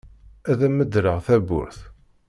Ad am-medleɣ tawwurt.